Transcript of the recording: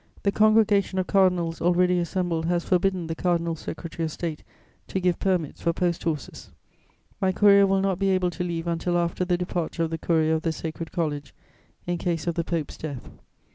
_ "The congregation of Cardinals already assembled has forbidden the Cardinal Secretary of State to give permits for post horses. My courier will not be able to leave until after the departure of the courier of the Sacred College, in case of the Pope's death.